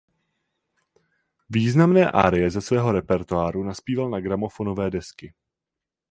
Významné árie ze svého repertoáru nazpíval na gramofonové desky.